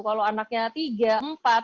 kalau anaknya tiga empat